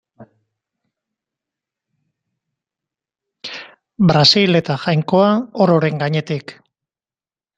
Brasil eta Jainkoa ororen gainetik.